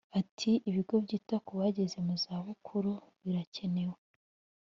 Ati “Ibigo byita ku bageze mu zabukuru birakenewe